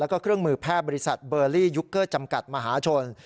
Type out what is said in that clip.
แล้วก็เครื่องมือแพทย์บริษัทเบอร์ลี่ยุคเกอร์จำกัดมหาชน